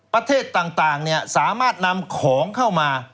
ประเทศต่างสามารถนำของเข้ามา